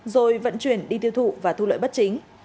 rồi vận chuyển đi tiêu thụ và thu lợi bất chính